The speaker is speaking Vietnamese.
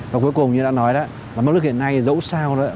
và cuối cùng như đã nói đó mức lương hiện nay dẫu sao